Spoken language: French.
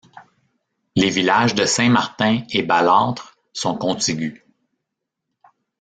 Les villages de Saint-Martin et Balâtre sont contigus.